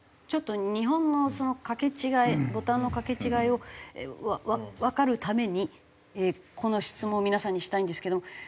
ちょっと日本のそのかけ違えボタンのかけ違えをわかるためにこの質問を皆さんにしたいんですけども。